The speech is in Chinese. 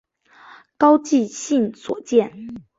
高季兴所建。